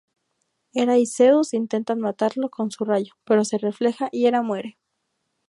Hera y Zeus intentan matarlo con su rayo, pero se refleja y Hera muere.